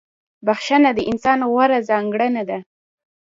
• بخښنه د انسان غوره ځانګړنه ده.